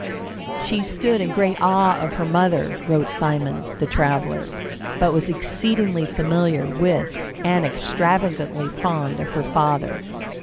"She stood in great awe of her mother," wrote Simond, the traveller, "but was exceedingly familiar with and extravagantly fond of her father.